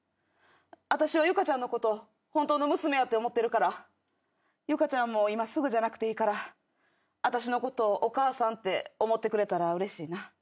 私はゆかちゃんのこと本当の娘やて思ってるからゆかちゃんも今すぐじゃなくていいから私のことお母さんって思ってくれたらうれしいな。